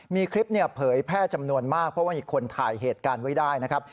มีคลิปเผยแพร่จำนวนมากเพราะว่ามีคนถ่ายเหตุการณ์ไว้ได้นะครับ